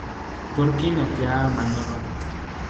Porky noquea a Manolo.